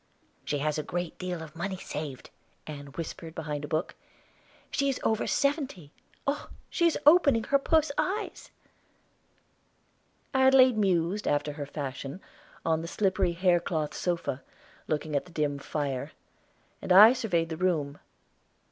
"She has a great deal of money saved," Ann whispered behind a book. "She is over seventy. Oh, she is opening her puss eyes!" Adelaide mused, after her fashion, on the slippery hair cloth sofa, looking at the dim fire, and I surveyed the room.